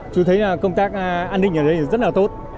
chú thấy công tác an ninh ở đây rất là tốt